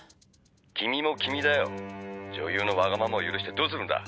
「君も君だよ！」「女優のわがままを許してどうするんだ！」